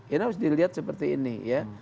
ini harus dilihat seperti ini ya